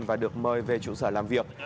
và được mời về trụ sở làm việc